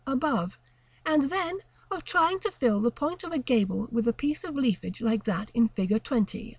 above; and then, of trying to fill the point of a gable with a piece of leafage like that in Figure XX.